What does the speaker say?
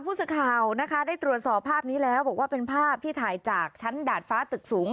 ผู้สื่อข่าวนะคะได้ตรวจสอบภาพนี้แล้วบอกว่าเป็นภาพที่ถ่ายจากชั้นดาดฟ้าตึกสูง